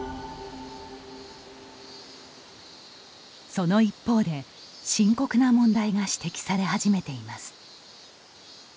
その一方で、深刻な問題が指摘され始めています。